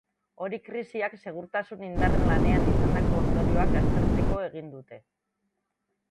Hori krisiak segurtasun indarren lanean izandako ondorioak aztertzeko egin dute.